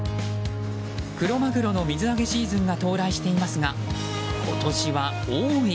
クロマグロの水揚げシーズンが到来していますが今年は多い！